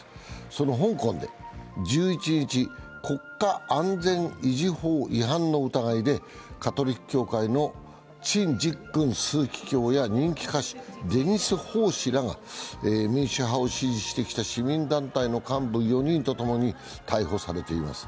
その香港で１１日、国家安全維持法違反の疑いでカトリック教会の陳日君枢機卿や人気歌手デニス・ホー氏らが民主派を支持してきた市民団体の幹部４人とともに逮捕されています